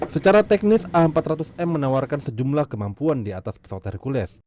secara teknis a empat ratus m menawarkan sejumlah kemampuan di atas pesawat hercules